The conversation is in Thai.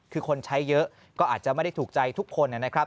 คือคนใช้เยอะก็อาจจะไม่ได้ถูกใจทุกคนนะครับ